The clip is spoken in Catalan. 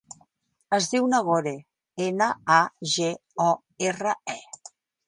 Es diu Nagore: ena, a, ge, o, erra, e.